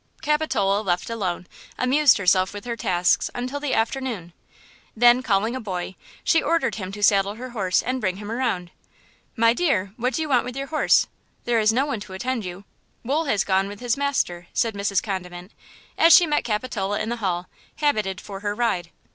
Capitola, left alone, amused herself with her tasks until the afternoon; then, calling a boy, she ordered him to saddle her horse and bring him around. "My dear, what do you want with your horse? There is no one to attend you; Wool has gone with his master," said Mrs. Condiment, as she met Capitola in the hall, habited for her ride.